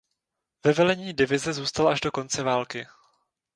Ve velení divize zůstal až do konce války.